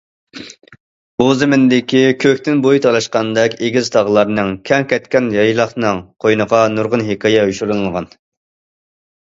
بۇ زېمىندىكى كۆكتىن بوي تالاشقاندەك ئېگىز تاغلارنىڭ، كەڭ كەتكەن يايلاقنىڭ قوينىغا نۇرغۇن ھېكايە يوشۇرۇنغان.